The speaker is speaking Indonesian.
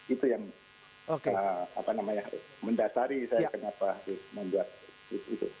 itu yang mendasari saya kenapa membuat itu